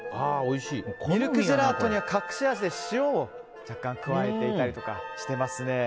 ミルクジェラートには隠し味で塩を若干加えていたりとかしていますね。